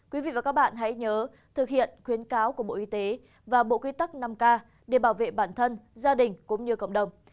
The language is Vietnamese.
quý vị và các bạn hãy nhớ thực hiện khuyến cáo của bộ y tế và bộ quy tắc năm k để bảo vệ bản thân gia đình cũng như cộng đồng